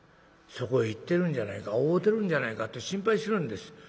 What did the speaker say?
そこへ行ってるんじゃないか会うてるんじゃないかって心配してるんです。